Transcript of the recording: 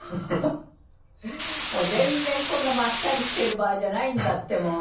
もう全然こんなまったりしてる場合じゃないんだってもう。